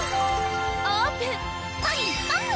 オープン！